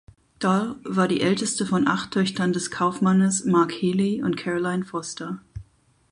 Dall war die älteste von acht Töchtern des Kaufmannes Mark Healey und Caroline Foster.